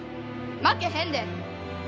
負けへんで！